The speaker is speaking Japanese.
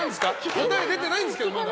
答え出てないですよ、まだ。